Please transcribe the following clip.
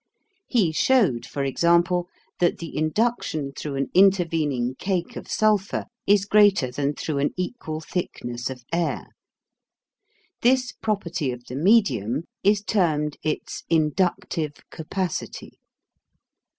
He showed, for example, that the induction through an intervening cake of sulphur is greater than through an equal thickness of air. This property of the medium is termed its INDUCTIVE CAPACITY.